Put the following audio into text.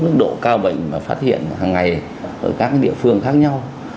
mức độ ca bệnh mà phát hiện hàng ngày ở các địa phương khác nhau